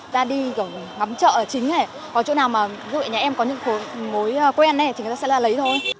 ta đi ngắm chợ ở chính còn chỗ nào mà người nhà em có những mối quen thì người ta sẽ lấy thôi